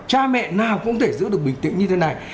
cha mẹ nào cũng có thể giữ được bình tĩnh như thế này